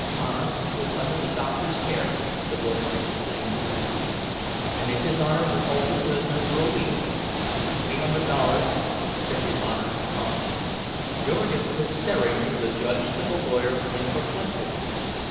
Connor was under the doctor's care, the lawyer explained briefly, and if his Honor would hold the prisoner for a week—"Three hundred dollars," said his Honor, promptly. Jurgis was staring from the judge to the lawyer in perplexity.